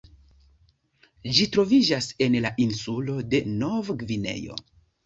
Ĝi troviĝas en la insulo de Novgvineo.